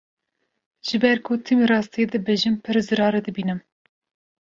Ji ber ku timî rastiyê dibêjim pir zirarê dibînim.